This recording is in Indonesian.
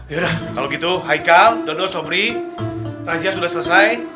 yaudah kalau gitu haikal dodot sobri razia sudah selesai